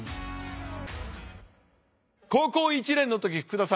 高校１年の時福田さん